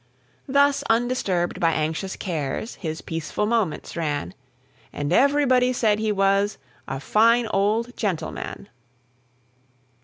Thus undisturbed by anxious cares His peaceful moments ran; And everybody said he was A fine old gentleman.